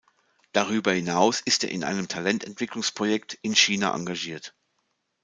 Darüber hinaus ist er in einem Talententwicklungs-Projekt in China engagiert.